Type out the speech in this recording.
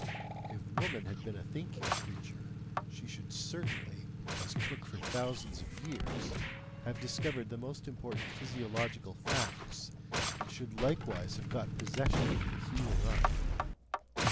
If woman had been a thinking creature, she should certainly, as cook for thousands of years, have discovered the most important physiological facts, and should likewise have got possession of the healing art!